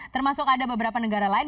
termasuk ada beberapa negara lain